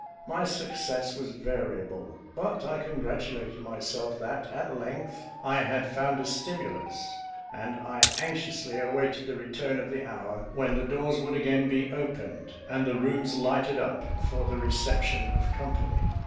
My success was variable; but I congratulated myself that at length I had found a stimulus; and I anxiously awaited the return of the hour when the doors would again be opened, and the rooms lighted up for the reception of company.